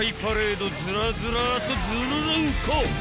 ［ずらずらっとずるるんこ！］